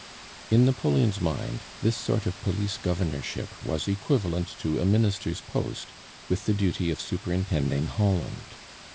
In Napoleon's mind this sort of Police Governorship was equivalent to a Minister's post, with the duty of superintending Holland.